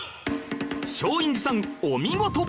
松陰寺さんお見事！